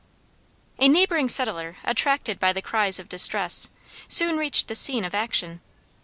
A neighboring settler, attracted by the cries of distress, soon reached the scene of action.